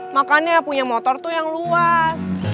makanya punya motor tuh yang luas